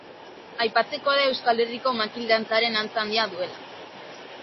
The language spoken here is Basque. Aipatzekoa da Euskal Herriko makil dantzaren antza handia duela.